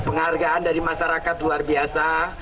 penghargaan dari masyarakat luar biasa